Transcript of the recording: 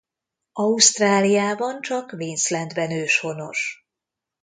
Ausztráliában csak Queenslandben őshonos.